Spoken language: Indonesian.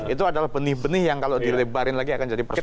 itu adalah benih benih yang kalau dilebarin lagi akan jadi persoalan